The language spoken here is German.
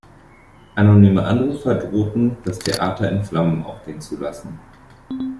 Anonyme Anrufer drohten, das Theater in Flammen aufgehen zu lassen.